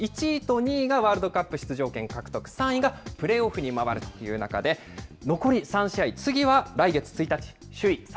１位と２位がワールドカップ出場権獲得、３位がプレーオフに回るという中で、残り３試合、次は来月１日、首位